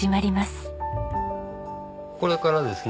これからですね